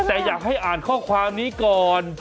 แต่อยากให้อ่านข้อความนี้ก่อน